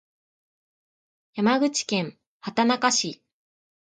山口県畑中市